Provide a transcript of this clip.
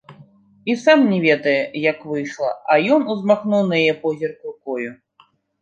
І сам не ведае, як выйшла, а ён узмахнуў на яе позірк рукою.